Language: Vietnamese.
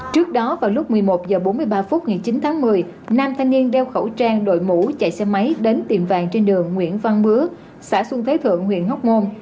trước đó vào lúc một mươi một h bốn mươi ba phút ngày chín tháng một mươi nam thanh niên đeo khẩu trang đội mũ chạy xe máy đến tiệm vàng trên đường nguyễn văn bứa xã xuân thế thượng huyện hóc môn